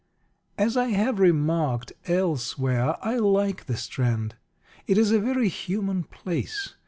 As I have remarked elsewhere, I like the Strand. It is a very human place.